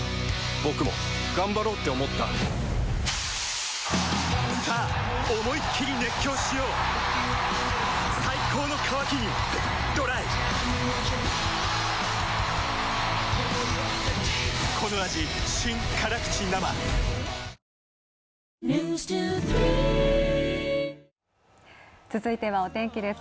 僕も頑張ろうって思ったさあ思いっきり熱狂しよう最高の渇きにＤＲＹ続いては、お天気です。